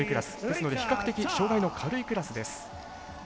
ですので比較的障がいの軽いクラスです。